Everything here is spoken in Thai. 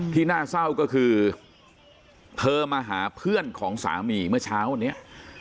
ที่น่าเศร้าก็คือเธอมาหาเพื่อนของสามีเมื่อเช้าวันนี้